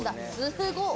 すごっ！